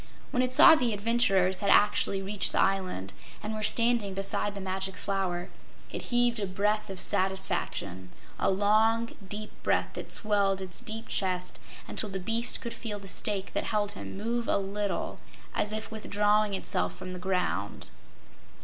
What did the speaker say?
When it saw the adventurers had actually reached the island and were standing beside the Magic Flower, it heaved a breath of satisfaction a long, deep breath that swelled its deep chest until the beast could feel the stake that held him move a little, as if withdrawing itself from the ground.